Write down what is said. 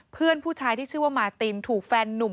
เพื่อนผู้ชายที่ชื่อว่ามาตินถูกแฟนนุ่ม